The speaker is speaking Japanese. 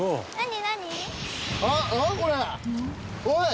おい！